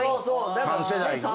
３世代ね。